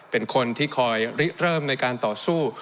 เป็นคนที่คอยริเริ่มในการต่อสู้